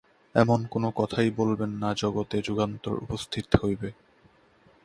এমন কোনো কথাই বলবেন না যাতে জগতে যুগান্তর উপস্থিত হবে।